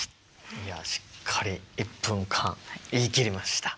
いやしっかり１分間言い切りました。